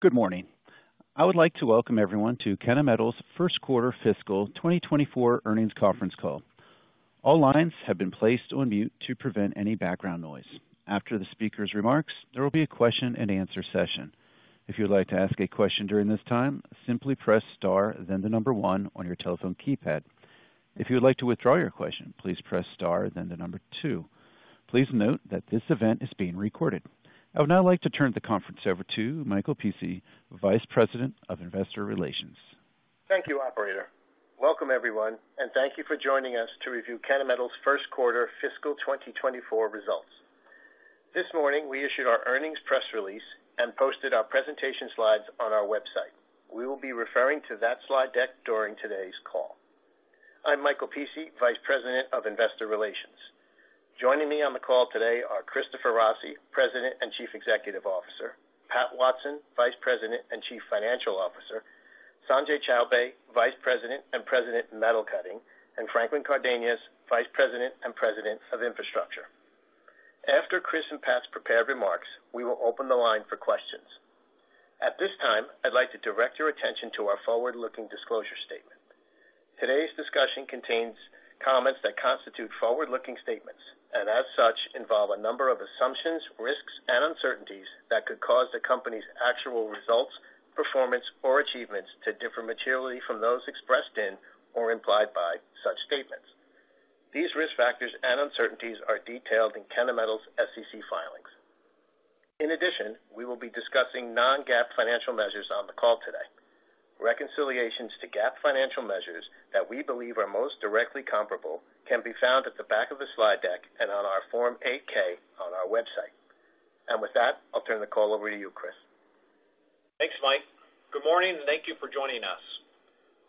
Good morning! I would like to welcome everyone to Kennametal's Q1 Fiscal 2024 Earnings Conference Call. All lines have been placed on mute to prevent any background noise. After the speaker's remarks, there will be a question-and-answer session. If you would like to ask a question during this time, simply press Star, then the number one on your telephone keypad. If you would like to withdraw your question, please press Star, then the number two. Please note that this event is being recorded. I would now like to turn the conference over to Michael Pici, Vice President of Investor Relations. Thank you, operator. Welcome, everyone, and thank you for joining us to review Kennametal's Q1 Fiscal 2024 results. This morning, we issued our earnings press release and posted our presentation slides on our website. We will be referring to that slide deck during today's call. I'm Michael Pici, Vice President of Investor Relations. Joining me on the call today are Christopher Rossi, President and Chief Executive Officer, Pat Watson, Vice President and Chief Financial Officer, Sanjay Chowbey, Vice President and President, Metal Cutting, and Franklin Cardenas, Vice President and President of Infrastructure. After Chris and Pat's prepared remarks, we will open the line for questions. At this time, I'd like to direct your attention to our forward-looking disclosure statement. Today's discussion contains comments that constitute forward-looking statements and, as such, involve a number of assumptions, risks and uncertainties that could cause the company's actual results, performance, or achievements to differ materially from those expressed in or implied by such statements. These risk factors and uncertainties are detailed in Kennametal's SEC filings. In addition, we will be discussing non-GAAP financial measures on the call today. Reconciliations to GAAP financial measures that we believe are most directly comparable can be found at the back of the slide deck and on our Form 8-K on our website. With that, I'll turn the call over to you, Chris. Thanks, Mike. Good morning, and thank you for joining us.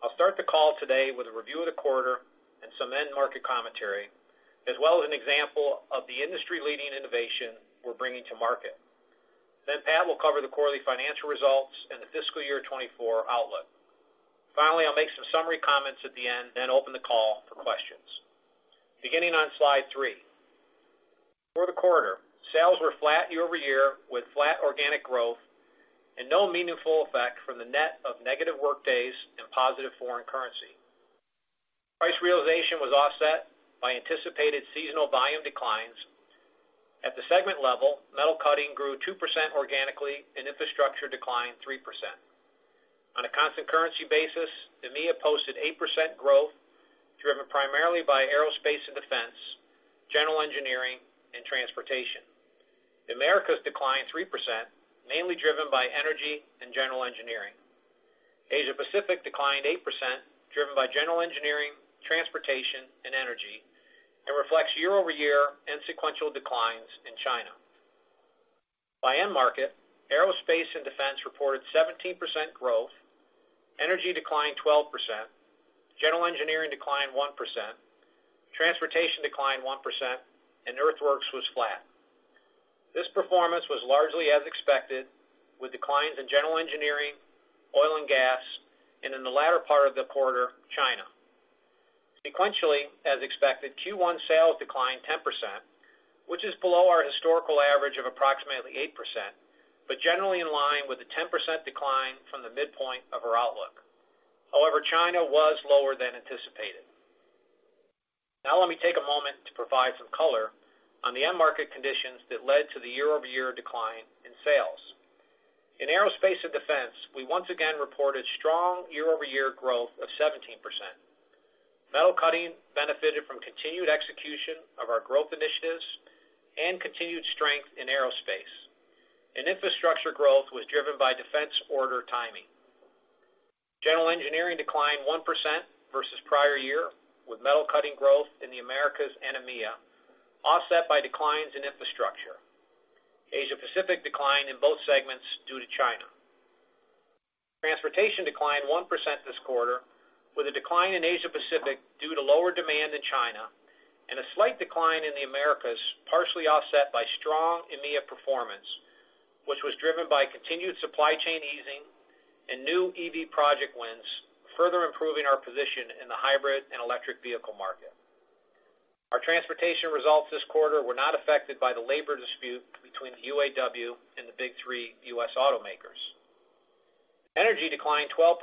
I'll start the call today with a review of the quarter and some end market commentary, as well as an example of the industry-leading innovation we're bringing to market. Then Pat will cover the quarterly financial results and the Fiscal year 2024 outlook. Finally, I'll make some summary comments at the end, then open the call for questions. Beginning on slide three. For the quarter, sales were flat year-over-year, with flat organic growth and no meaningful effect from the net of negative workdays and positive foreign currency. Price realization was offset by anticipated seasonal volume declines. At the segment level, metal cutting grew 2% organically, and infrastructure declined 3%. On a constant currency basis, EMEA posted 8% growth, driven primarily by aerospace and defense, general engineering, and transportation. The Americas declined 3%, mainly driven by energy and general engineering. Asia Pacific declined 8%, driven by general engineering, transportation, and energy, and reflects year-over-year and sequential declines in China. By end market, aerospace and defense reported 17% growth, energy declined 12%, general engineering declined 1%, transportation declined 1%, and earthworks was flat. This performance was largely as expected, with declines in general engineering, oil and gas, and in the latter part of the quarter, China. Sequentially, as expected, Q1 sales declined 10%, which is below our historical average of approximately 8%, but generally in line with the 10% decline from the midpoint of our outlook. However, China was lower than anticipated. Now, let me take a moment to provide some color on the end market conditions that led to the year-over-year decline in sales. In aerospace and defense, we once again reported strong year-over-year growth of 17%. Metal cutting benefited from continued execution of our growth initiatives and continued strength in aerospace, and infrastructure growth was driven by defense order timing. General engineering declined 1% versus prior year, with metal cutting growth in the Americas and EMEA, offset by declines in infrastructure. Asia Pacific declined in both segments due to China. Transportation declined 1% this quarter, with a decline in Asia Pacific due to lower demand in China, and a slight decline in the Americas, partially offset by strong EMEA performance, which was driven by continued supply chain easing and new EV project wins, further improving our position in the hybrid and electric vehicle market. Our transportation results this quarter were not affected by the labor dispute between the UAW and the Big Three U.S. automakers. Energy declined 12%,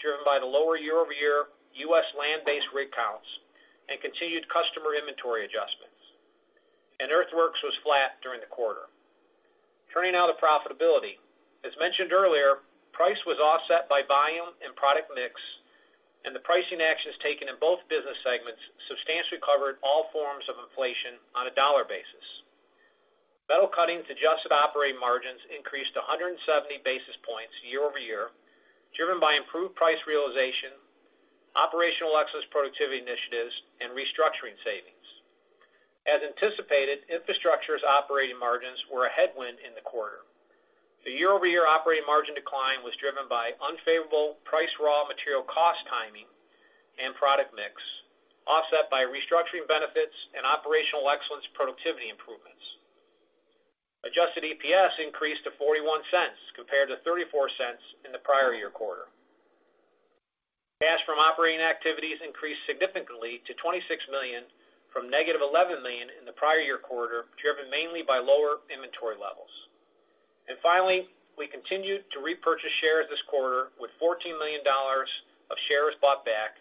driven by the lower year-over-year U.S. land-based rig counts and continued customer inventory adjustments, and Earthworks was flat during the quarter. Turning now to profitability. As mentioned earlier, price was offset by volume and product mix, and the pricing actions taken in both business segments substantially covered all forms of inflation on a dollar basis. Metal Cutting's adjusted operating margins increased to 170 basis points year-over-year, driven by improved price realization, operational excellence, productivity initiatives, and restructuring savings. As anticipated, Infrastructure's operating margins were a headwind in the quarter. The year-over-year operating margin decline was driven by unfavorable price, raw material cost timing, and product mix, offset by restructuring benefits and operational excellence productivity improvements. Adjusted EPS increased to $0.41, compared to $0.34 in the prior year quarter... Cash from operating activities increased significantly to $26 million, from -$11 million in the prior year quarter, driven mainly by lower inventory levels. Finally, we continued to repurchase shares this quarter, with $14 million of shares bought back,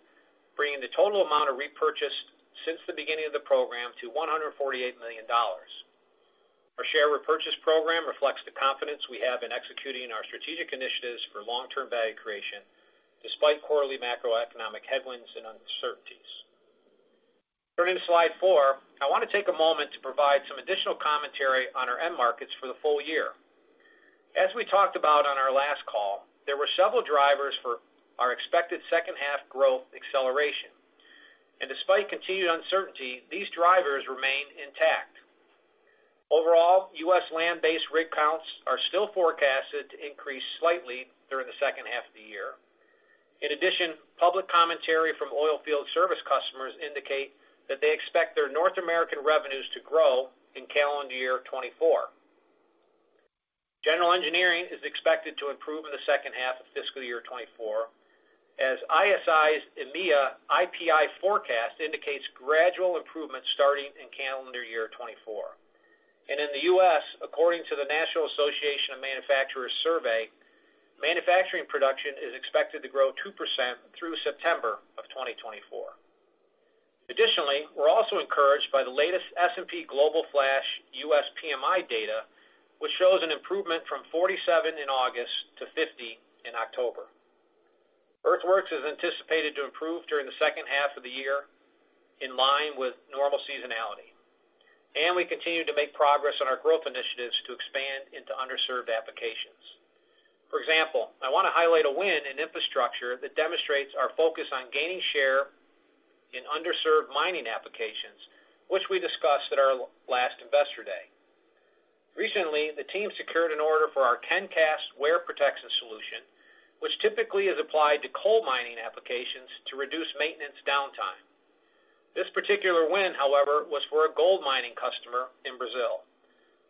bringing the total amount of repurchase since the beginning of the program to $148 million. Our share repurchase program reflects the confidence we have in executing our strategic initiatives for long-term value creation, despite quarterly macroeconomic headwinds and uncertainties. Turning to slide four, I wanna take a moment to provide some additional commentary on our end markets for the full year. As we talked about on our last call, there were several drivers for our expected second half growth acceleration. Despite continued uncertainty, these drivers remain intact. Overall, U.S. land-based rig counts are still forecasted to increase slightly during the second half of the year. In addition, public commentary from oil field service customers indicate that they expect their North American revenues to grow in calendar year 2024. General engineering is expected to improve in the second half of Fiscal year 2024, as ISI's EMEA IPI forecast indicates gradual improvement starting in calendar year 2024. In the U.S., according to the National Association of Manufacturers survey, manufacturing production is expected to grow 2% through September 2024. Additionally, we're also encouraged by the latest S&P Global Flash U.S. PMI data, which shows an improvement from 47 in August to 50 in October. Earthworks is anticipated to improve during the second half of the year, in line with normal seasonality. We continue to make progress on our growth initiatives to expand into underserved applications. For example, I wanna highlight a win in infrastructure that demonstrates our focus on gaining share in underserved mining applications, which we discussed at our last Investor Day. Recently, the team secured an order for our KenCast wear protection solution, which typically is applied to coal mining applications to reduce maintenance downtime. This particular win, however, was for a gold mining customer in Brazil.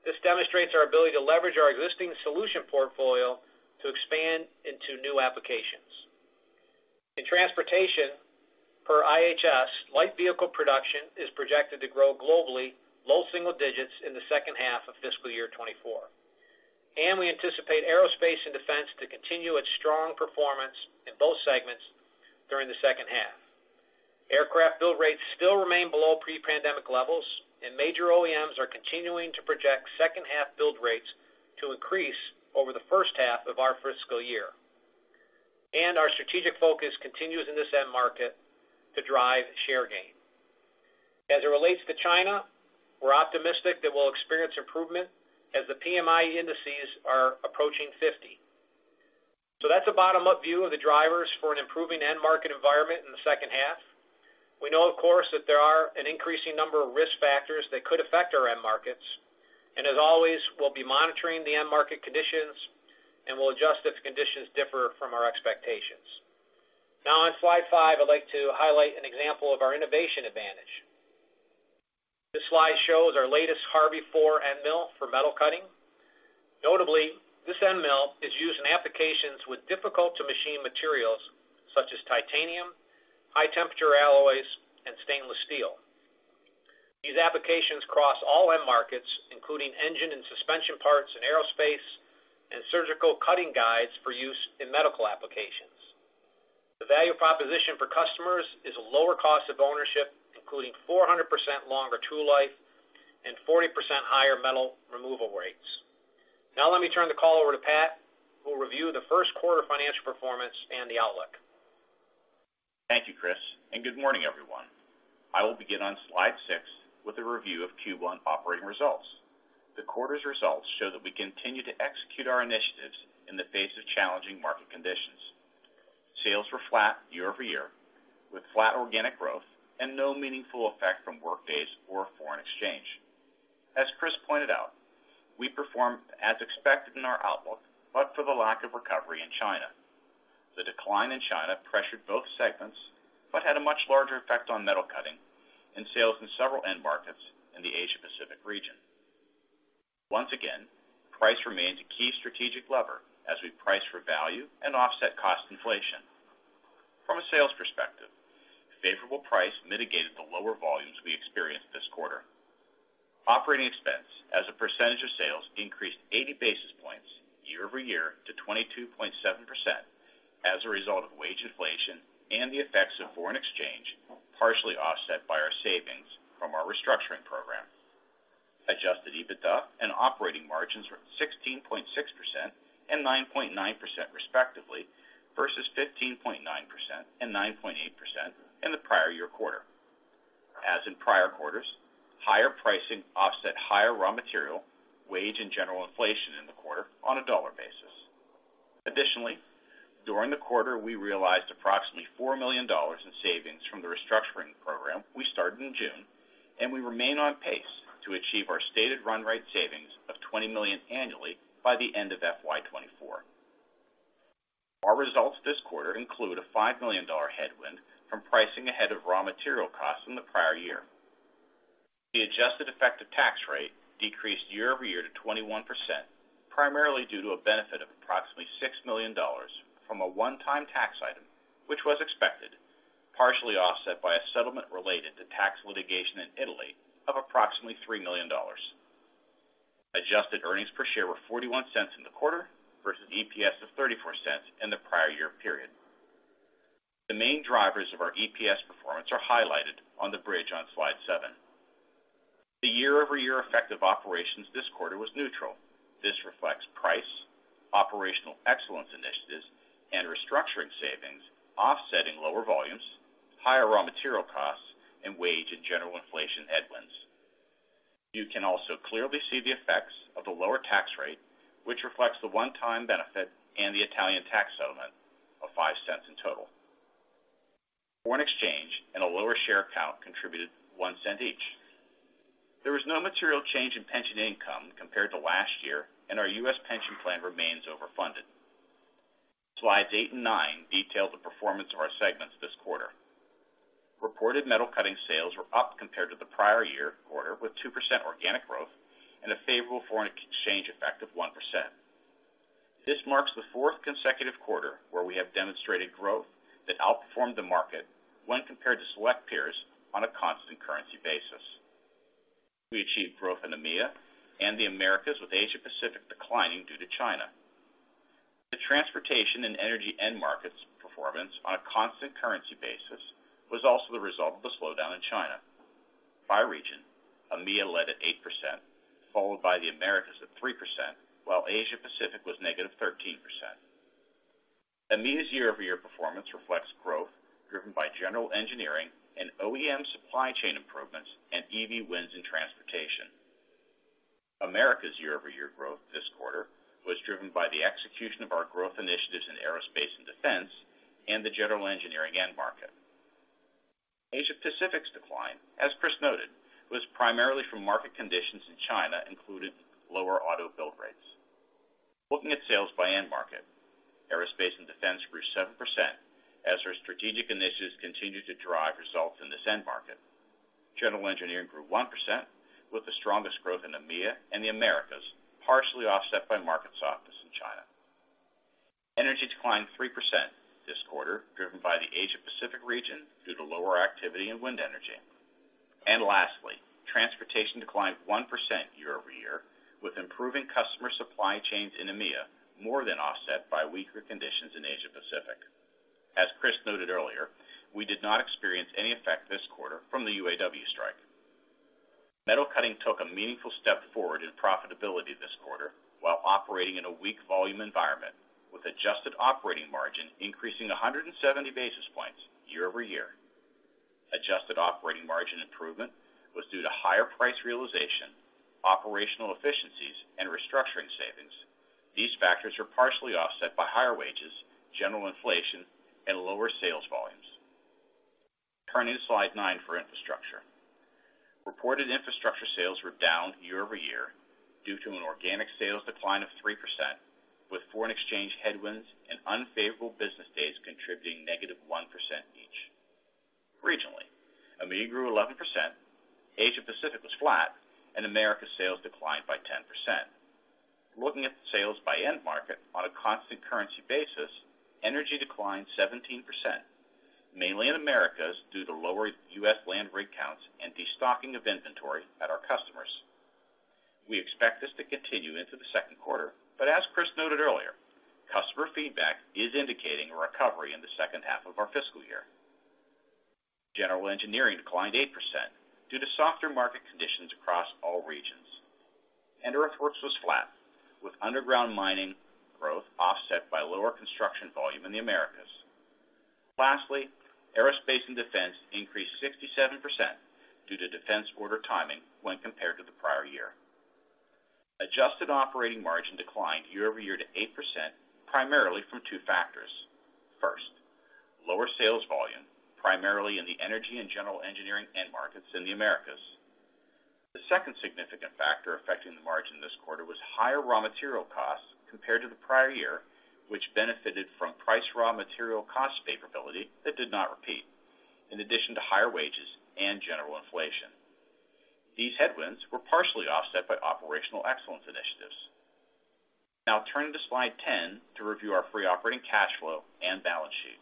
This demonstrates our ability to leverage our existing solution portfolio to expand into new applications. In transportation, per IHS, light vehicle production is projected to grow globally, low single digits in the second half of Fiscal year 2024. We anticipate aerospace and defense to continue its strong performance in both segments during the second half. Aircraft build rates still remain below pre-pandemic levels, and major OEMs are continuing to project second half build rates to increase over the first half of our Fiscal year. Our strategic focus continues in this end market to drive share gain. As it relates to China, we're optimistic that we'll experience improvement as the PMI indices are approaching 50. So that's a bottom-up view of the drivers for an improving end market environment in the second half. We know, of course, that there are an increasing number of risk factors that could affect our end markets, and as always, we'll be monitoring the end market conditions, and we'll adjust if conditions differ from our expectations. Now, on slide five, I'd like to highlight an example of our innovation advantage. This slide shows our latest HARVI IV end mill for metal cutting. Notably, this end mill is used in applications with difficult-to-machine materials, such as titanium, high-temperature alloys, and stainless steel. These applications cross all end markets, including engine and suspension parts in aerospace and surgical cutting guides for use in medical applications. The value proposition for customers is a lower cost of ownership, including 400% longer tool life and 40% higher metal removal rates. Now let me turn the call over to Pat, who will review Q1 financial performance and the outlook. Thank you, Chris, and good morning, everyone. I will begin on slide six with a review of Q1 operating results. The quarter's results show that we continue to execute our initiatives in the face of challenging market conditions. Sales were flat year-over-year, with flat organic growth and no meaningful effect from work days or foreign exchange. As Chris pointed out, we performed as expected in our outlook, but for the lack of recovery in China. The decline in China pressured both segments, but had a much larger effect on Metal Cutting and sales in several end markets in the Asia Pacific region. Once again, price remains a key strategic lever as we price for value and offset cost inflation. From a sales perspective, favorable price mitigated the lower volumes we experienced this quarter. Operating expense as a percentage of sales increased 80 basis points year-over-year to 22.7% as a result of wage inflation and the effects of foreign exchange, partially offset by our savings from our restructuring program. Adjusted EBITDA and operating margins were 16.6% and 9.9%, respectively, versus 15.9% and 9.8% in the prior year quarter. As in prior quarters, higher pricing offset higher raw material, wage, and general inflation in the quarter on a dollar basis. Additionally, during the quarter, we realized approximately $4 million in savings from the restructuring program we started in June, and we remain on pace to achieve our stated run rate savings of $20 million annually by the end of FY 2024. Our results this quarter include a $5 million headwind from pricing ahead of raw material costs in the prior year. The adjusted effective tax rate decreased year-over-year to 21%, primarily due to a benefit of approximately $6 million from a one-time tax item, which was expected, partially offset by a settlement related to tax litigation in Italy of approximately $3 million. Adjusted earnings per share were $0.41 in the quarter versus EPS of $0.34 in the prior year period. The main drivers of our EPS performance are highlighted on the bridge on Slide seven. The year-over-year effective operations this quarter was neutral. This reflects price, operational excellence initiatives, and restructuring savings, offsetting lower volumes, higher raw material costs, and wage and general inflation headwinds. You can also clearly see the effects of the lower tax rate, which reflects the one-time benefit and the Italian tax settlement of $0.05 in total. Foreign exchange and a lower share count contributed $0.01 each. There was no material change in pension income compared to last year, and our U.S. pension plan remains overfunded. Slides eight and nine detail the performance of our segments this quarter. Reported Metal Cutting sales were up compared to the prior year quarter, with 2% organic growth and a favorable foreign exchange effect of 1%. This marks the fourth consecutive quarter where we have demonstrated growth that outperformed the market when compared to select peers on a constant currency basis. We achieved growth in EMEA and the Americas, with Asia Pacific declining due to China. The transportation and energy end markets performance on a constant currency basis was also the result of the slowdown in China. By region, EMEA led at 8%, followed by the Americas at 3%, while Asia Pacific was -13%. EMEA's year-over-year performance reflects growth driven by general engineering and OEM supply chain improvements and EV wins in transportation. Americas year-over-year growth this quarter was driven by the execution of our growth initiatives in aerospace and defense and the general engineering end market. Asia Pacific's decline, as Chris noted, was primarily from market conditions in China, including lower auto build rates. Looking at sales by end market, aerospace and defense grew 7% as our strategic initiatives continued to drive results in this end market. General engineering grew 1%, with the strongest growth in EMEA and the Americas, partially offset by market softness in China.Energy declined 3% this quarter, driven by the Asia Pacific region due to lower activity in wind energy. And lastly, transportation declined 1% year-over-year, with improving customer supply chains in EMEA more than offset by weaker conditions in Asia Pacific. As Chris noted earlier, we did not experience any effect this quarter from the UAW strike. Metal cutting took a meaningful step forward in profitability this quarter while operating in a weak volume environment, with adjusted operating margin increasing 170 basis points year-over-year. Adjusted operating margin improvement was due to higher price realization, operational efficiencies, and restructuring savings. These factors were partially offset by higher wages, general inflation, and lower sales volumes. Turning to Slide nine for infrastructure. Reported infrastructure sales were down year-over-year due to an organic sales decline of 3%, with foreign exchange headwinds and unfavorable business days contributing -1% each. Regionally, EMEA grew 11%, Asia Pacific was flat, and Americas sales declined by 10%. Looking at the sales by end market on a constant currency basis, energy declined 17%, mainly in Americas, due to lower U.S. land rig counts and destocking of inventory at our customers. We expect this to continue into the second quarter, but as Chris noted earlier, customer feedback is indicating a recovery in the second half of our Fiscal year. General engineering declined 8% due to softer market conditions across all regions. Earthworks was flat, with underground mining growth offset by lower construction volume in the Americas. Lastly, aerospace and defense increased 67% due to defense order timing when compared to the prior year. Adjusted operating margin declined year-over-year to 8%, primarily from two factors. First, lower sales volume, primarily in the energy and general engineering end markets in the Americas. The second significant factor affecting the margin this quarter was higher raw material costs compared to the prior year, which benefited from price raw material cost favorability that did not repeat, in addition to higher wages and general inflation. These headwinds were partially offset by operational excellence initiatives. Now turning to Slide 10 to review our free operating cash flow and balance sheet.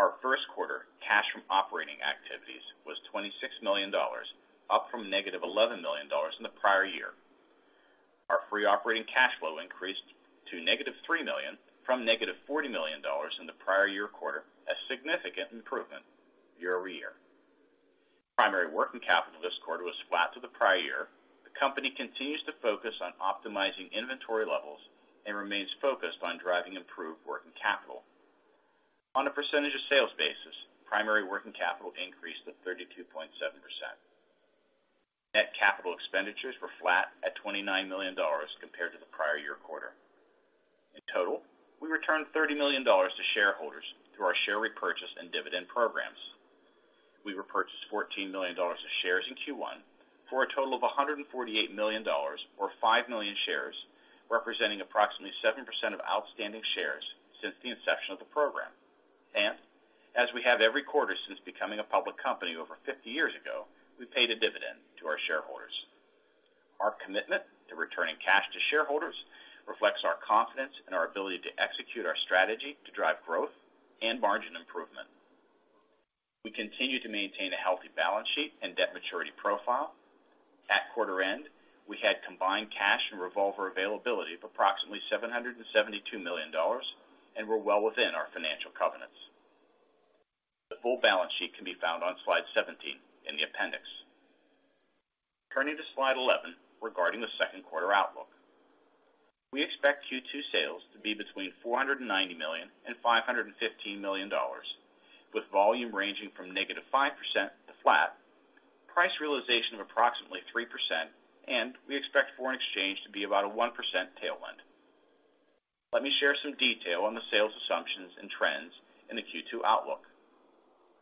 Our Q1 cash from operating activities was $26 million, up from -$11 million in the prior year. Our free operating cash flow increased to negative $3 million from negative $40 million in the prior year quarter, a significant improvement year-over-year. Primary working capital this quarter was flat to the prior year. The company continues to focus on optimizing inventory levels and remains focused on driving improved working capital. On a percentage of sales basis, primary working capital increased to 32.7%. Net capital expenditures were flat at $29 million compared to the prior year quarter. In total, we returned $30 million to shareholders through our share repurchase and dividend programs. We repurchased $14 million of shares in Q1 for a total of $148 million, or 5 million shares, representing approximately 7% of outstanding shares since the inception of the program.... As we have every quarter since becoming a public company over 50 years ago, we paid a dividend to our shareholders. Our commitment to returning cash to shareholders reflects our confidence in our ability to execute our strategy to drive growth and margin improvement. We continue to maintain a healthy balance sheet and debt maturity profile. At quarter-end, we had combined cash and revolver availability of approximately $772 million, and we're well within our financial covenants. The full balance sheet can be found on slide 17 in the appendix. Turning to slide 11, regarding the second quarter outlook. We expect Q2 sales to be between $490 million and $515 million, with volume ranging from -5% to flat, price realization of approximately 3%, and we expect foreign exchange to be about a 1% tailwind. Let me share some detail on the sales assumptions and trends in the Q2 outlook.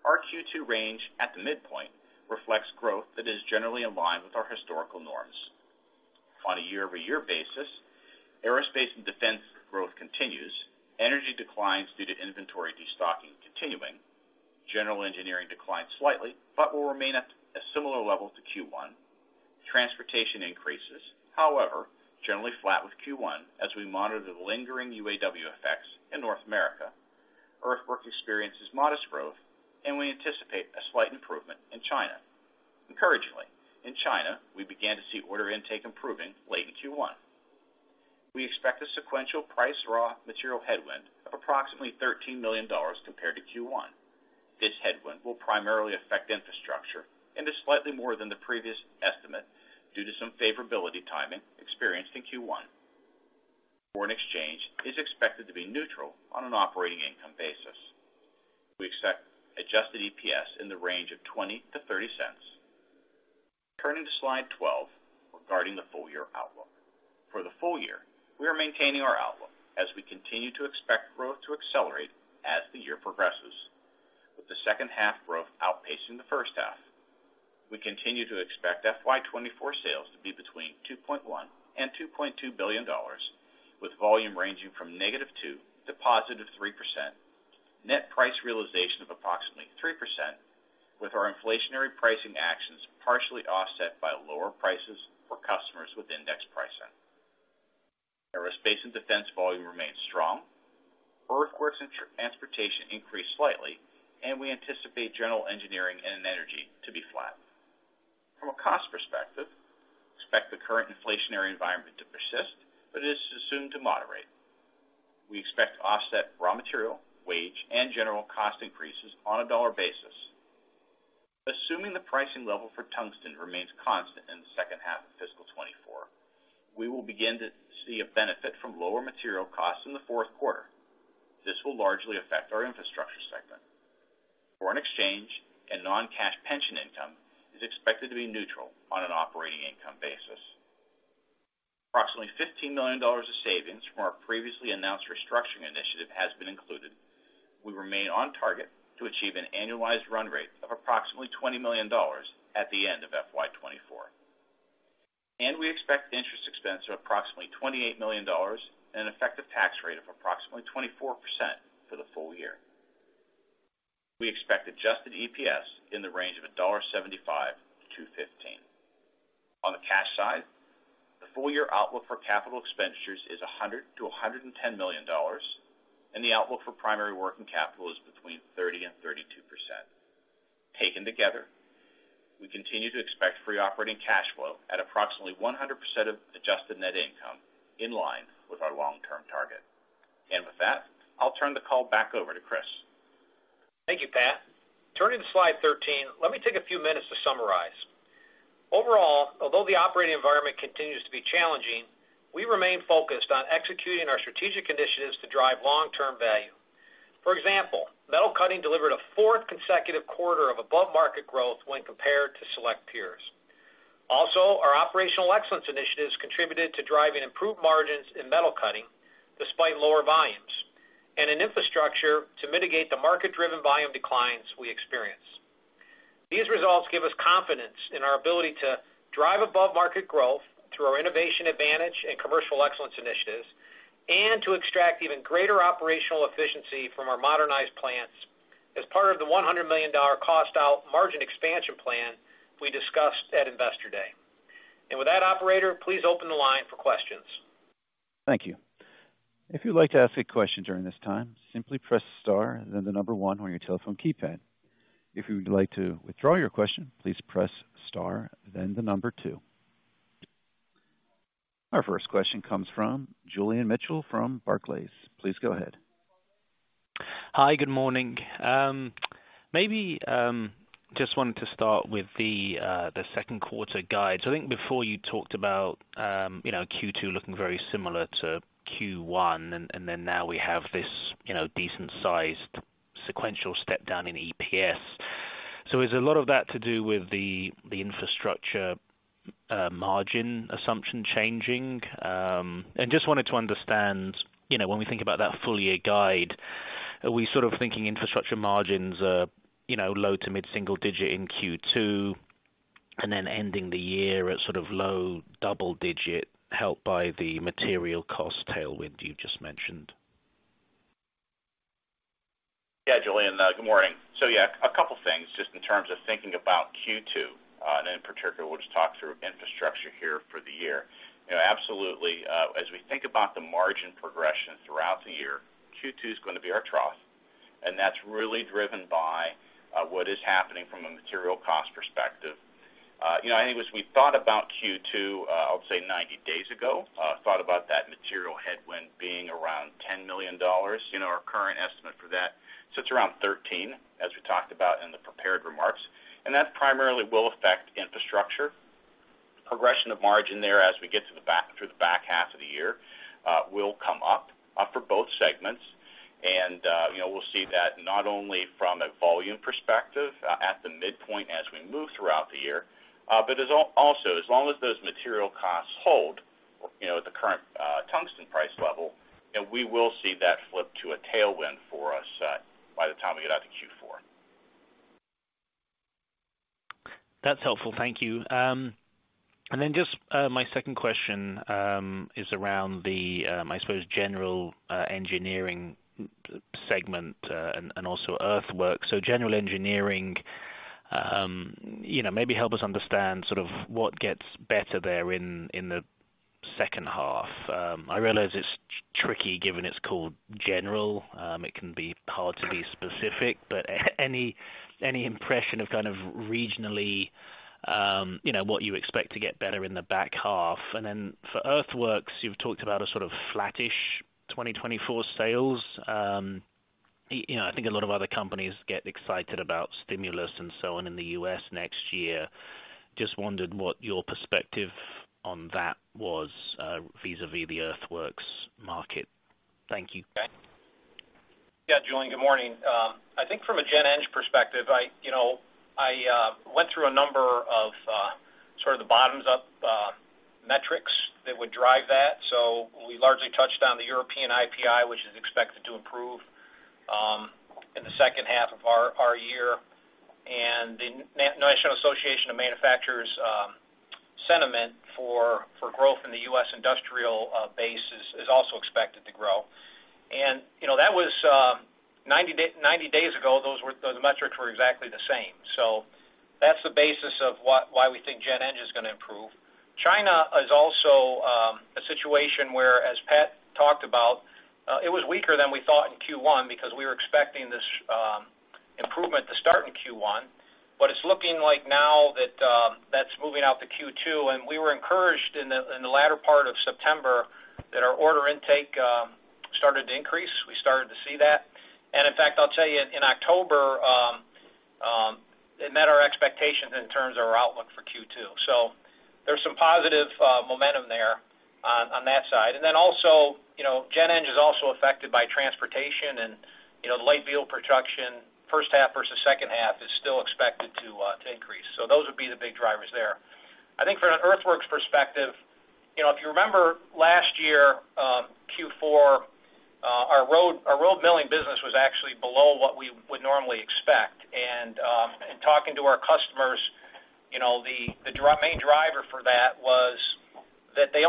Our Q2 range at the midpoint reflects growth that is generally in line with our historical norms. On a year-over-year basis, aerospace and defense growth continues. Energy declines due to inventory destocking continuing. General engineering declines slightly, but will remain at a similar level to Q1. Transportation increases, however, generally flat with Q1 as we monitor the lingering UAW effects in North America. Earthwork experiences modest growth, and we anticipate a slight improvement in China. Encouragingly, in China, we began to see order intake improving late in Q1. We expect a sequential price raw material headwind of approximately $13 million compared to Q1. This headwind will primarily affect infrastructure and is slightly more than the previous estimate due to some favorability timing experienced in Q1. Foreign exchange is expected to be neutral on an operating income basis. We expect Adjusted EPS in the range of $0.20-$0.30. Turning to slide 12, regarding the full year outlook. For the full year, we are maintaining our outlook as we continue to expect growth to accelerate as the year progresses, with the second half growth outpacing the first half. We continue to expect FY 2024 sales to be between $2.1 billion-$2.2 billion, with volume ranging from -2% to +3%. Net price realization of approximately 3%, with our inflationary pricing actions partially offset by lower prices for customers with index pricing. Aerospace and defense volume remains strong. Earthworks and transportation increase slightly, and we anticipate general engineering and energy to be flat. From a cost perspective, expect the current inflationary environment to persist, but it is assumed to moderate. We expect to offset raw material, wage, and general cost increases on a dollar basis. Assuming the pricing level for tungsten remains constant in the second half of Fiscal 2024, we will begin to see a benefit from lower material costs in the fourth quarter. This will largely affect our infrastructure segment. Foreign exchange and non-cash pension income is expected to be neutral on an operating income basis. Approximately $15 million of savings from our previously announced restructuring initiative has been included. We remain on target to achieve an annualized run rate of approximately $20 million at the end of FY 2024. We expect interest expense of approximately $28 million and an effective tax rate of approximately 24% for the full year. We expect adjusted EPS in the range of $1.75-$2.15. On the cash side, the full year outlook for capital expenditures is $100 million-$110 million, and the outlook for primary working capital is between 30%-32%. Taken together, we continue to expect free operating cash flow at approximately 100% of adjusted net income, in line with our long-term target. And with that, I'll turn the call back over to Chris. Thank you, Pat. Turning to slide 13, let me take a few minutes to summarize. Overall, although the operating environment continues to be challenging, we remain focused on executing our strategic initiatives to drive long-term value. For example, metal cutting delivered a fourth consecutive quarter of above-market growth when compared to select peers. Also, our operational excellence initiatives contributed to driving improved margins in metal cutting despite lower volumes, and in infrastructure to mitigate the market-driven volume declines we experienced. These results give us confidence in our ability to drive above-market growth through our innovation advantage and commercial excellence initiatives, and to extract even greater operational efficiency from our modernized plants as part of the $100 million cost out margin expansion plan we discussed at Investor Day. And with that, operator, please open the line for questions. Thank you. If you'd like to ask a question during this time, simply press star, then the number one on your telephone keypad. If you would like to withdraw your question, please press star, then the number two. Our first question comes from Julian Mitchell from Barclays. Please go ahead. Hi, good morning. Maybe just wanted to start with the second quarter guide. So I think before you talked about, you know, Q2 looking very similar to Q1, and then now we have this, you know, decent-sized sequential step down in EPS. So is a lot of that to do with the infrastructure margin assumption changing? And just wanted to understand, you know, when we think about that full year guide, are we sort of thinking infrastructure margins are, you know, low to mid-single digit in Q2? And then ending the year at sort of low double digit, helped by the material cost tailwind you just mentioned? Yeah, Julian, good morning. So, yeah, a couple things just in terms of thinking about Q2, and in particular, we'll just talk through infrastructure here for the year. You know, absolutely, as we think about the margin progression throughout the year, Q2 is going to be our trough, and that's really driven by, what is happening from a material cost perspective. You know, anyways, we thought about Q2, I would say 90 days ago, thought about that material headwind being around $10 million. You know, our current estimate for that, sits around $13 million, as we talked about in the prepared remarks, and that primarily will affect infrastructure. Progression of margin there as we get to the back- through the back half of the year, will come up, up for both segments. You know, we'll see that not only from a volume perspective, at the midpoint as we move throughout the year, but also, as long as those material costs hold, you know, at the current tungsten price level, and we will see that flip to a tailwind for us, by the time we get out to Q4. That's helpful. Thank you. And then just my second question is around the, I suppose, general engineering segment, and also earthworks. So general engineering, you know, maybe help us understand sort of what gets better there in the second half. I realize it's tricky, given it's called general. It can be hard to be specific, but any impression of kind of regionally, you know, what you expect to get better in the back half? And then for earthworks, you've talked about a sort of flattish 2024 sales. You know, I think a lot of other companies get excited about stimulus and so on in the U.S. next year. Just wondered what your perspective on that was, vis-a-vis the earthworks market. Thank you. Yeah, Julian, good morning. I think from a gen eng perspective, you know, I went through a number of sort of the bottoms up metrics that would drive that. So we largely touched on the European IPI, which is expected to improve in the second half of our year. And the National Association of Manufacturers sentiment for growth in the U.S. industrial base is also expected to grow. And, you know, that was 90 days ago, the metrics were exactly the same. So that's the basis of why we think gen eng is going to improve. China is also a situation where, as Pat talked about, it was weaker than we thought in Q1, because we were expecting this improvement to start in Q1. But it's looking like now that that's moving out to Q2, and we were encouraged in the latter part of September that our order intake started to increase. We started to see that. And in fact, I'll tell you, in October it met our expectations in terms of our outlook for Q2. So there's some positive momentum there on that side. And then also, you know, gen eng is also affected by transportation and, you know, the light vehicle production, first half versus second half, is still expected to increase. So those would be the big drivers there. I think from an earthworks perspective, you know, if you remember last year Q4 our road milling business was actually below what we would normally expect. In talking to our customers, you know, the main driver for that was that the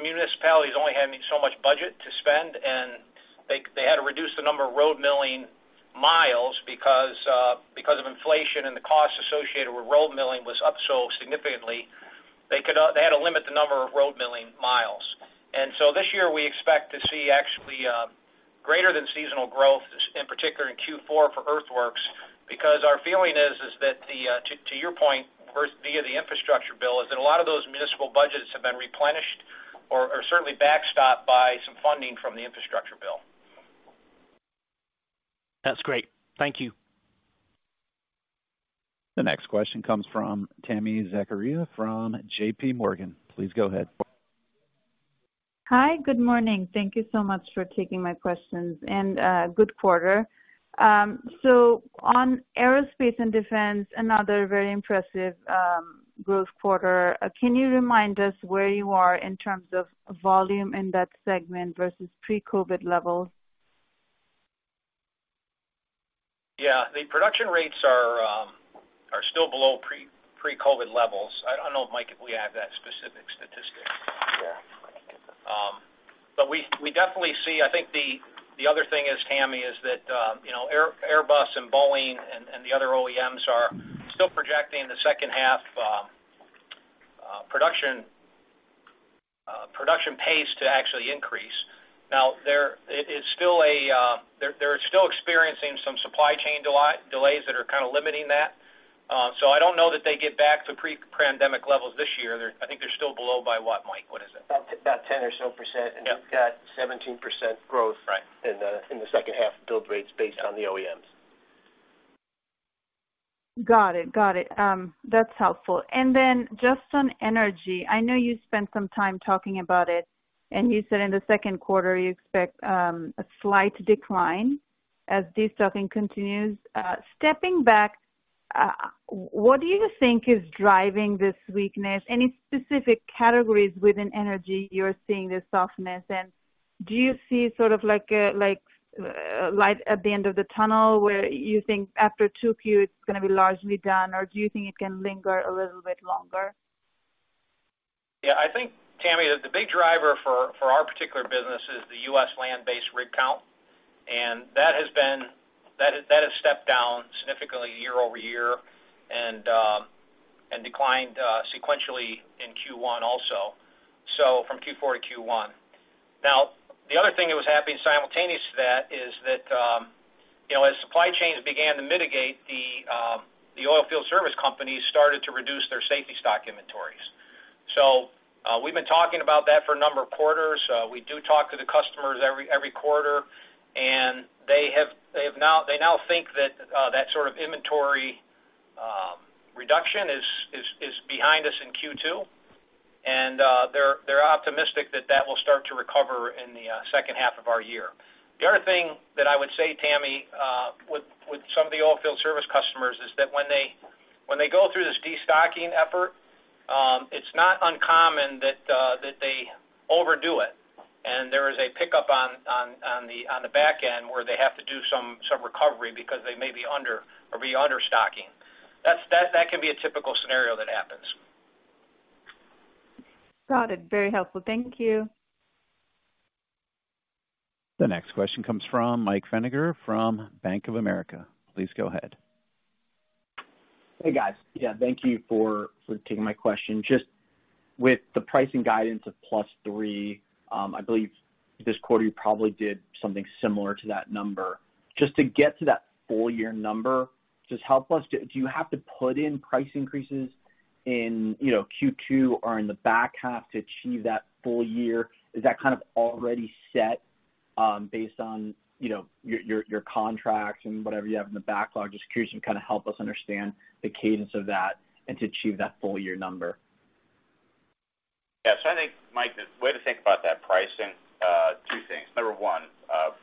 municipalities only had so much budget to spend, and they had to reduce the number of road milling miles because of inflation and the costs associated with road milling was up so significantly, they could not, they had to limit the number of road milling miles. So this year, we expect to see actually greater than seasonal growth, in particular in Q4 for earthworks, because our feeling is that, to your point, earthworks via the infrastructure bill is that a lot of those municipal budgets have been replenished or certainly backstopped by some funding from the infrastructure bill. That's great. Thank you. The next question comes from Tami Zakaria, from JP Morgan. Please go ahead. Hi, good morning. Thank you so much for taking my questions, and, good quarter. So on aerospace and defense, another very impressive, growth quarter, can you remind us where you are in terms of volume in that segment versus pre-COVID levels? Yeah. The production rates are still below pre-COVID levels. I don't know, Mike, if we have that specific statistic. Yeah. But we definitely see... I think the other thing is, Tami, is that, you know, Airbus and Boeing and the other OEMs are still projecting the second half production pace to actually increase. Now, there it is still a, they're still experiencing some supply chain delays that are kind of limiting that. So I don't know that they get back to pre-pandemic levels this year. They're, I think they're still below by what, Mike, what is it? About 10% or so. Yeah. You've got 17% growth- Right in the second half build rates based on the OEMs. Got it. Got it. That's helpful. And then just on energy, I know you spent some time talking about it, and you said in the second quarter, you expect a slight decline as destocking continues. Stepping back, what do you think is driving this weakness? Any specific categories within energy you're seeing this softness in?... do you see sort of like a, like, light at the end of the tunnel, where you think after two Q, it's going to be largely done? Or do you think it can linger a little bit longer? Yeah, I think, Tami, the big driver for our particular business is the U.S. land-based rig count. And that has stepped down significantly year-over-year and declined sequentially in Q1 also, so from Q4 to Q1. Now, the other thing that was happening simultaneous to that is that, you know, as supply chains began to mitigate, the oil field service companies started to reduce their safety stock inventories. So, we've been talking about that for a number of quarters. We do talk to the customers every quarter, and they have now—they now think that that sort of inventory reduction is behind us in Q2, and they're optimistic that that will start to recover in the second half of our year. The other thing that I would say, Tami, with some of the oilfield service customers, is that when they go through this destocking effort, it's not uncommon that they overdo it. And there is a pickup on the back end, where they have to do some recovery because they may be understocking. That can be a typical scenario that happens. Got it. Very helpful. Thank you. The next question comes from Mike Feniger from Bank of America. Please go ahead. Hey, guys. Yeah, thank you for taking my question. Just with the pricing guidance of +3%, I believe this quarter you probably did something similar to that number. Just to get to that full year number, just help us, do you have to put in price increases in, you know, Q2 or in the back half to achieve that full year? Is that kind of already set, based on, you know, your contracts and whatever you have in the backlog? Just curious, you kind of help us understand the cadence of that and to achieve that full year number. Yes. So I think, Mike, the way to think about that pricing, two things. Number one,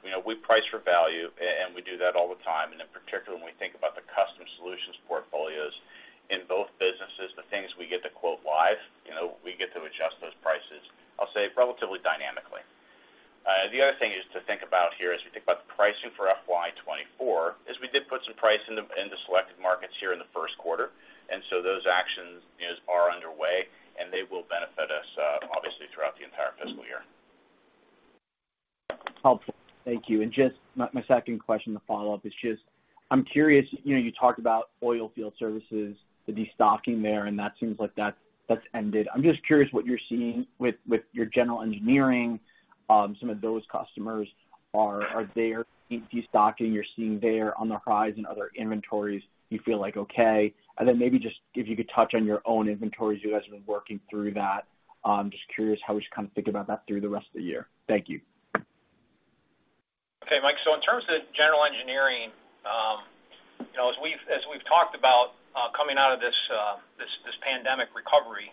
you know, we price for value, and we do that all the time, and in particular, when we think about the custom solutions portfolios in both businesses, the things we get to quote live, you know, we get to adjust those prices, I'll say, relatively dynamically. The other thing is to think about here, as we think about the pricing for FY 2024, is we did put some price into selective markets here in Q1, and so those actions are underway, and they will benefit us, obviously, throughout the entire Fiscal year. Helpful. Thank you. And just my second question to follow up is just I'm curious, you know, you talked about oil field services, the destocking there, and that seems like that's ended. I'm just curious what you're seeing with your general engineering. Some of those customers, are there in destocking you're seeing there on the horizon, other inventories you feel like, okay. And then maybe just if you could touch on your own inventories, you guys have been working through that. I'm just curious how we should kind of think about that through the rest of the year. Thank you. Okay, Mike. So in terms of general engineering, you know, as we've talked about, this pandemic recovery,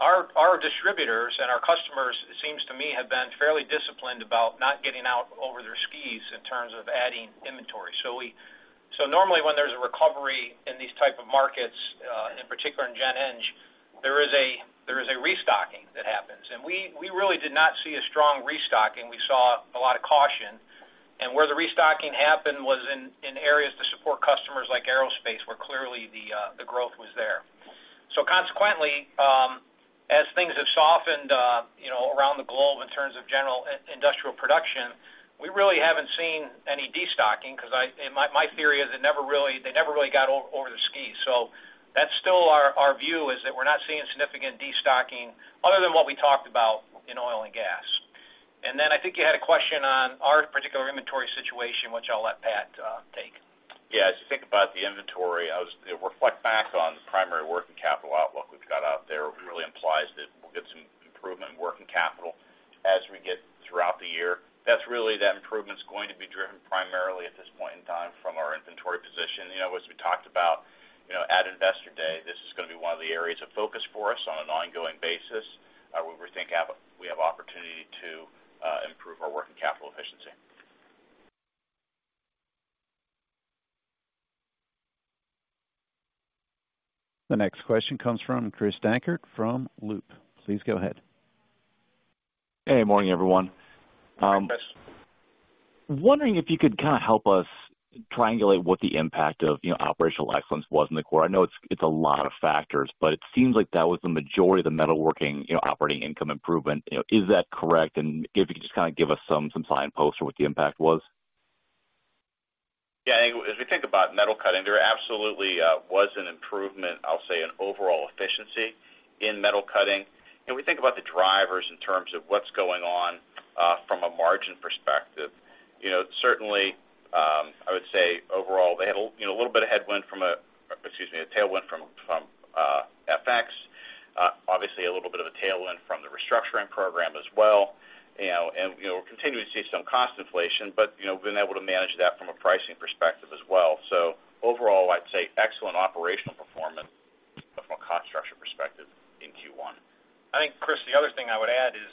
our distributors and our customers, it seems to me, have been fairly disciplined about not getting out over their skis in terms of adding inventory. So we so normally, when there's a recovery in these type of markets, in particular in gen eng, there is a restocking that happens. And we really did not see a strong restocking. We saw a lot of caution, and where the restocking happened was in areas to support customers like aerospace, where clearly the growth was there. So consequently, as things have softened, you know, around the globe in terms of general industrial production, we really haven't seen any destocking, because, and my theory is they never really got over the skis. So that's still our view, is that we're not seeing significant destocking other than what we talked about in oil and gas. And then I think you had a question on our particular inventory situation, which I'll let Pat take. Yeah, as you think about the inventory, reflect back on the Primary Working Capital outlook we've got out there, really implies that we'll get some improvement in working capital as we get throughout the year. That's really, that improvement is going to be driven primarily at this point in time from our inventory position. You know, as we talked about, you know, at Investor Day, this is going to be one of the areas of focus for us on an ongoing basis, where we think we have opportunity to improve our working capital efficiency. The next question comes from Chris Dankert, from Loop. Please go ahead. Hey, morning, everyone. Hi, Chris. Wondering if you could kind of help us triangulate what the impact of, you know, operational excellence was in the quarter. I know it's a lot of factors, but it seems like that was the majority of the metalworking, you know, operating income improvement. You know, is that correct? And if you could just kind of give us some signpost on what the impact was. Yeah, as we think about metal cutting, there absolutely was an improvement, I'll say, in overall efficiency in metal cutting. And we think about the drivers in terms of what's going on from a margin perspective. You know, certainly, I would say overall, they had a little bit of headwind from a, excuse me, a tailwind from FX. Obviously, a little bit of a tailwind from the restructuring program as well. You know, and, you know, we're continuing to see some cost inflation, but, you know, we've been able to manage that from a pricing perspective as well. So overall, I'd say excellent operational performance from a cost structure perspective in Q1. I think, Chris, the other thing I would add is,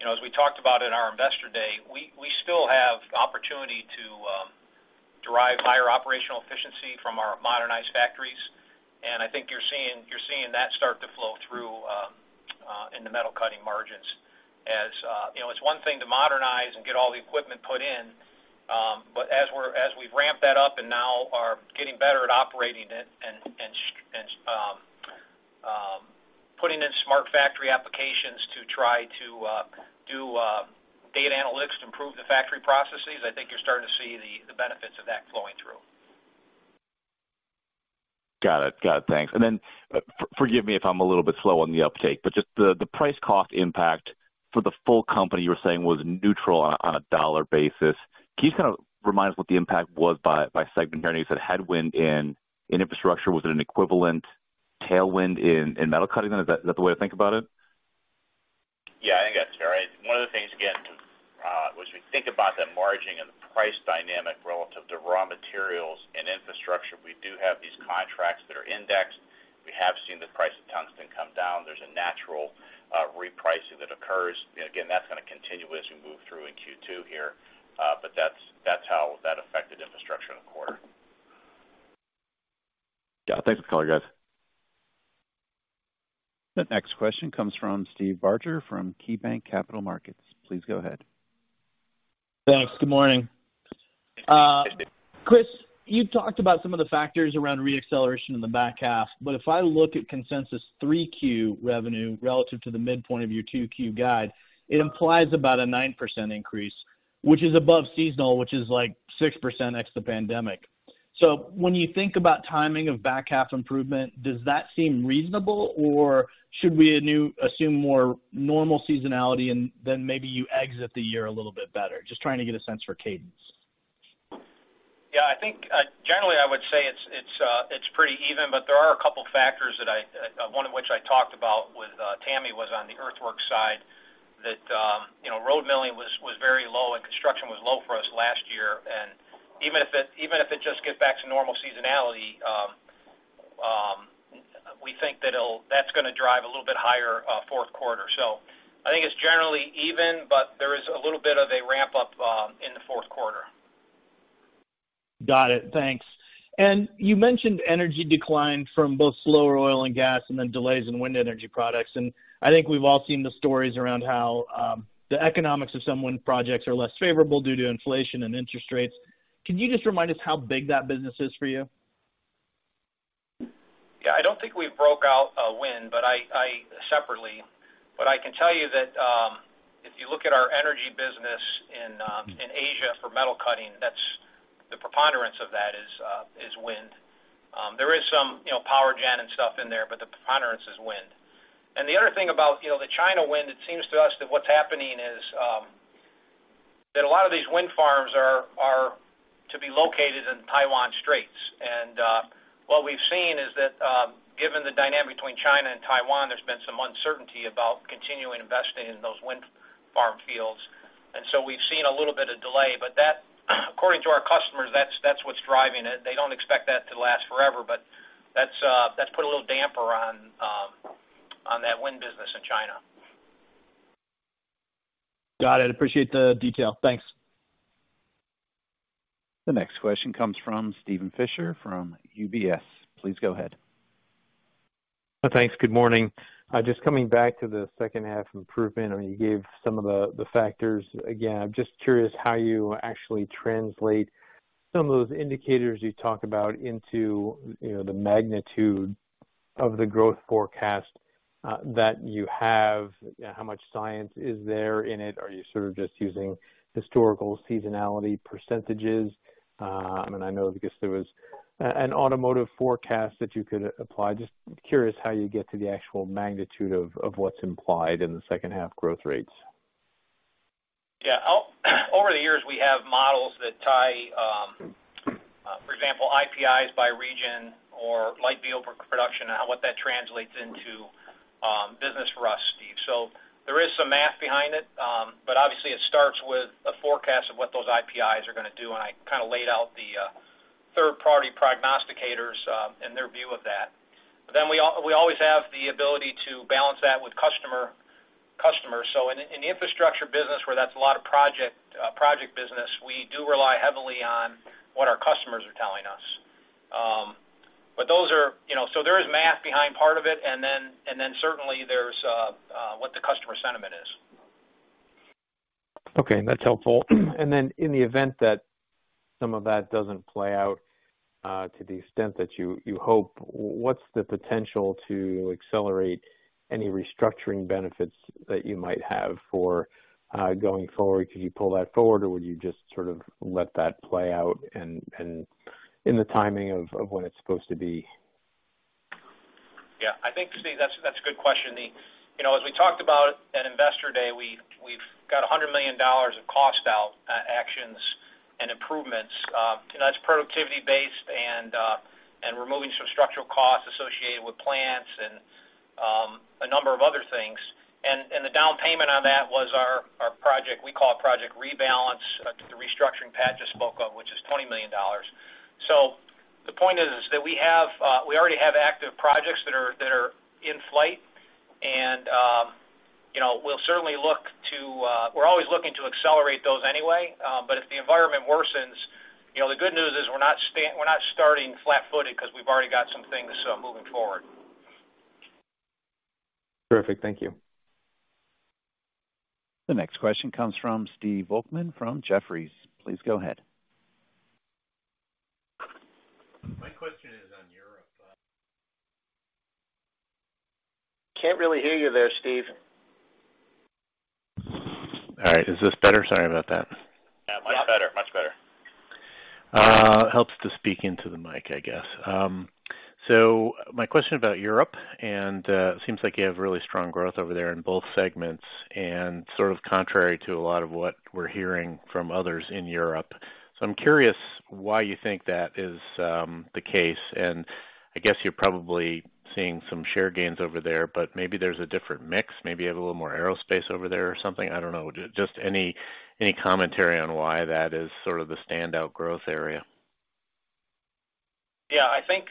you know, as we talked about in our Investor Day, we still have opportunity to derive higher operational efficiency from our modernized factories. And I think you're seeing that start to flow through in the metal cutting margins. As you know, it's one thing to modernize and get all the equipment put in, but as we've ramped that up and now are getting better at operating it and putting in smart factory applications to try to do data analytics to improve the factory processes, I think you're starting to see the benefits of that flowing through. Got it. Got it. Thanks. And then, forgive me if I'm a little bit slow on the uptake, but just the price cost impact for the full company, you were saying, was neutral on a dollar basis. Can you kind of remind us what the impact was by segment here? And you said headwind in infrastructure, was it an equivalent tailwind in metal cutting? Is that the way to think about it? Yeah, I think that's right. One of the things, again, as we think about the margining and the price dynamic relative to raw materials and infrastructure, we do have these contracts that are indexed. We have seen the price of tungsten come down. There's a natural, repricing that occurs. Again, that's going to continue as we move through in Q2 here. But that's, that's how that affected infrastructure in the quarter. Yeah. Thanks for the call, guys. The next question comes from Steve Barger, from KeyBanc Capital Markets. Please go ahead. Thanks. Good morning. Chris, you talked about some of the factors around reacceleration in the back half, but if I look at consensus 3Q revenue relative to the midpoint of your 2Q guide, it implies about a 9% increase, which is above seasonal, which is like 6% ex the pandemic. So when you think about timing of back half improvement, does that seem reasonable, or should we assume more normal seasonality and then maybe you exit the year a little bit better? Just trying to get a sense for cadence. Yeah, I think, generally, I would say it's pretty even, but there are a couple factors that I, one of which I talked about with Tami, was on the earthworks side, that you know, road milling was very low, and construction was low for us last year. And even if it just gets back to normal seasonality, we think that it'll-- that's gonna drive a little bit higher fourth quarter. So I think it's generally even, but there is a little bit of a ramp up in the fourth quarter. Got it. Thanks. And you mentioned energy declined from both slower oil and gas and then delays in wind energy products. And I think we've all seen the stories around how the economics of some wind projects are less favorable due to inflation and interest rates. Can you just remind us how big that business is for you? Yeah. I don't think we've broke out wind, but separately, but I can tell you that if you look at our energy business in Asia for metal cutting, that's the preponderance of that is wind. There is some, you know, power gen and stuff in there, but the preponderance is wind. And the other thing about, you know, the China wind, it seems to us that what's happening is that a lot of these wind farms are to be located in the Taiwan Straits. And what we've seen is that given the dynamic between China and Taiwan, there's been some uncertainty about continuing investing in those wind farm fields. And so we've seen a little bit of delay, but that, according to our customers, that's what's driving it. They don't expect that to last forever, but that's put a little damper on that wind business in China. Got it. Appreciate the detail. Thanks. The next question comes from Steven Fisher from UBS. Please go ahead. Thanks. Good morning. Just coming back to the second half improvement, I mean, you gave some of the factors. Again, I'm just curious how you actually translate some of those indicators you talk about into, you know, the magnitude of the growth forecast, that you have. How much science is there in it? Are you sort of just using historical seasonality percentages? And I know because there was an automotive forecast that you could apply. Just curious how you get to the actual magnitude of what's implied in the second half growth rates. Yeah. Over the years, we have models that tie, for example, IPIs by region or light vehicle production and what that translates into, business for us, Steve. So there is some math behind it, but obviously, it starts with a forecast of what those IPIs are gonna do, and I kind of laid out the third-party prognosticators and their view of that. But then we always have the ability to balance that with customer. So in the infrastructure business, where that's a lot of project business, we do rely heavily on what our customers are telling us. But those are... You know, so there is math behind part of it, and then certainly there's what the customer sentiment is. Okay, that's helpful. And then, in the event that some of that doesn't play out to the extent that you hope, what's the potential to accelerate any restructuring benefits that you might have for going forward? Could you pull that forward, or would you just sort of let that play out and in the timing of when it's supposed to be? Yeah. I think, Steve, that's a good question. The. You know, as we talked about at Investor Day, we've got $100 million of cost out actions and improvements. You know, that's productivity-based and removing some structural costs associated with plants and a number of other things. And the down payment on that was our project, we call it Project Rebalance, the restructuring Pat just spoke of, which is $20 million. So the point is that we already have active projects that are in flight. We'll certainly look to, we're always looking to accelerate those anyway, but if the environment worsens, you know, the good news is we're not starting flat-footed because we've already got some things moving forward. Perfect. Thank you. The next question comes from Steve Volkmann from Jefferies. Please go ahead. My question is on Europe. Can't really hear you there, Steve. All right. Is this better? Sorry about that. Yeah, much better. Much better. Helps to speak into the mic, I guess. So my question about Europe, and seems like you have really strong growth over there in both segments, and sort of contrary to a lot of what we're hearing from others in Europe. So I'm curious why you think that is, the case, and I guess you're probably seeing some share gains over there, but maybe there's a different mix. Maybe you have a little more aerospace over there or something. I don't know. Just any, any commentary on why that is sort of the standout growth area? Yeah, I think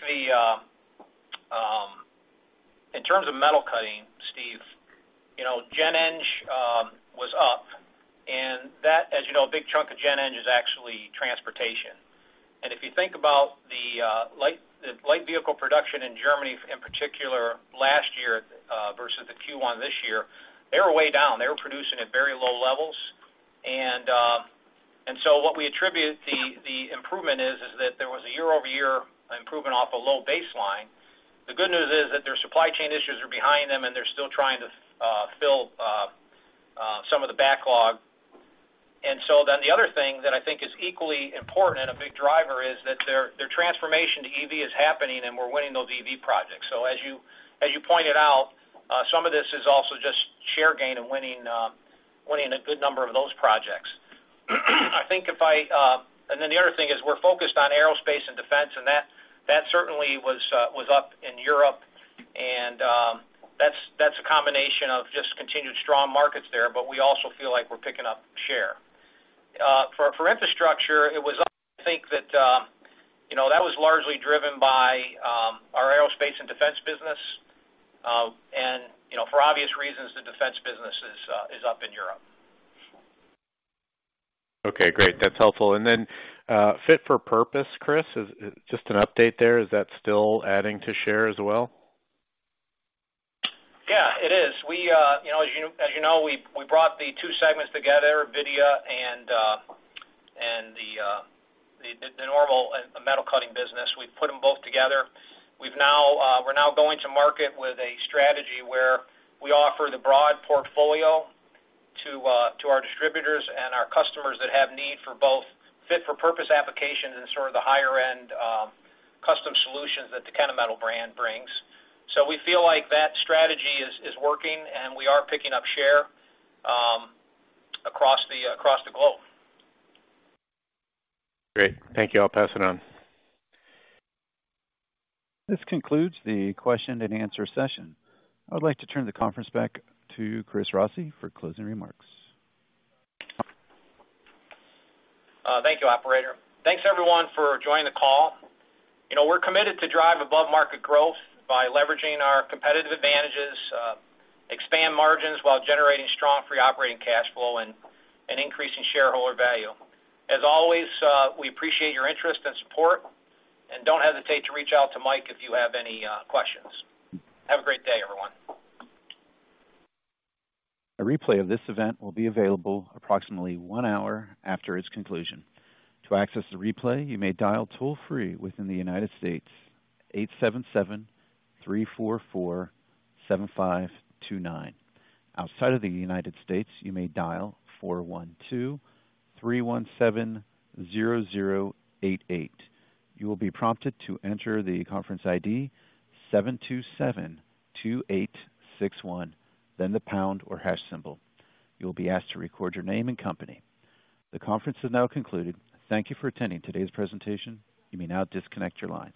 in terms of metal cutting, Steve, you know, general engineering was up, and that, as you know, a big chunk of general engineering is actually transportation. And if you think about the light vehicle production in Germany, in particular, last year versus Q1 this year, they were way down. They were producing at very low levels. And so what we attribute the improvement is that there was a year-over-year improvement off a low baseline. The good news is that their supply chain issues are behind them, and they're still trying to fill some of the backlog. And so then the other thing that I think is equally important and a big driver is that their transformation to EV is happening, and we're winning those EV projects. So as you, as you pointed out, some of this is also just share gain and winning, winning a good number of those projects. I think if I... And then the other thing is we're focused on aerospace and defense, and that, that certainly was, was up in Europe, and, that's, that's a combination of just continued strong markets there, but we also feel like we're picking up share. For, for infrastructure, it was, I think, that, you know, that was largely driven by, our aerospace and defense business. And, you know, for obvious reasons, the defense business is, is up in Europe. Okay, great. That's helpful. And then, fit for purpose, Chris, is just an update there, is that still adding to share as well? Yeah, it is. We, you know, as you, as you know, we, we brought the two segments together, WIDIA and, and the, the normal and the metal cutting business. We've put them both together. We've now, we're now going to market with a strategy where we offer the broad portfolio to, to our distributors and our customers that have need for both fit for purpose application and sort of the higher-end, custom solutions that the Kennametal brand brings. So we feel like that strategy is, is working, and we are picking up share, across the, across the globe. Great. Thank you. I'll pass it on. This concludes the question and answer session. I'd like to turn the conference back to Chris Rossi for closing remarks. Thank you, operator. Thanks, everyone, for joining the call. You know, we're committed to drive above-market growth by leveraging our competitive advantages, expand margins while generating strong free operating cash flow and increasing shareholder value. As always, we appreciate your interest and support, and don't hesitate to reach out to Mike if you have any questions. Have a great day, everyone. A replay of this event will be available approximately one hour after its conclusion. To access the replay, you may dial toll-free within the United States, 877-344-7529. Outside of the United States, you may dial 412-317-0088. You will be prompted to enter the conference ID 7272861, then the pound or hash symbol. You will be asked to record your name and company. The conference is now concluded. Thank you for attending today's presentation. You may now disconnect your line.